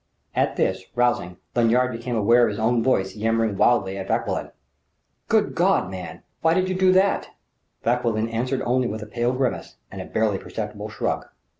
At this, rousing, Lanyard became aware of his own voice yammering wildly at Vauquelin: "Good God, man! Why did you do that?" Vauquelin answered only with a pale grimace and a barely perceptible shrug.